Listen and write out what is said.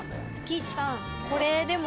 「貴一さん